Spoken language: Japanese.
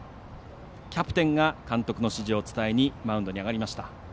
キャプテンが監督の指示を伝えにマウンドに上がりました。